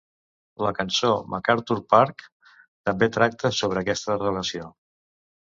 La cançó "MacArthur Park" també tracta sobre aquesta relació.